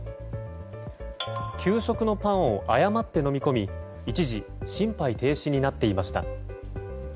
給食のパンを誤って飲み込み一時心肺停止になっていました。